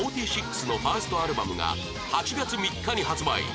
４６のファーストアルバムが８月３日に発売